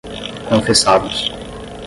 confessados